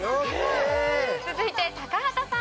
続いて高畑さん。